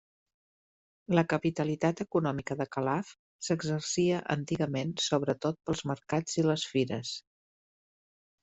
La capitalitat econòmica de Calaf s'exercia antigament sobretot pels mercats i les fires.